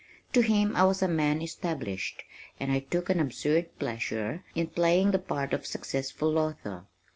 To him I was a man established, and I took an absurd pleasure in playing the part of Successful Author.